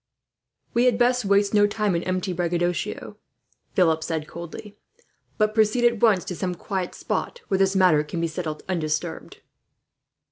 "We had best waste no time in empty braggadocio," Philip said coldly, "but proceed at once to some quiet spot, where this matter can be settled, undisturbed."